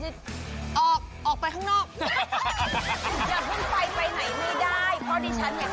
อ๋อโหออกไปข้างนอก